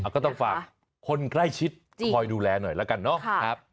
ก็ต้องฝากคนใกล้ชิดคอยดูแลหน่อยแล้วกันเนาะ